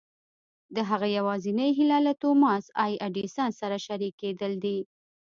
د هغه يوازېنۍ هيله له توماس اې ايډېسن سره شريکېدل دي.